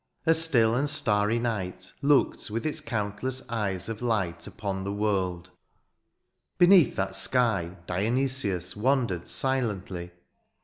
A still and starry night Looked with its countless eyes of light Upon the world : beneath that sky Dionysius wandered silently.